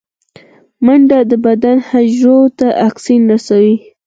منډه د بدن حجرو ته اکسیجن رسوي